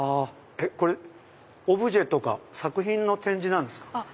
これオブジェとか作品の展示なんですか？